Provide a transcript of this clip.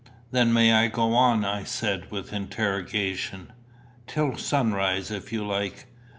"Then I may go on?" I said, with interrogation. "Till sunrise if you like.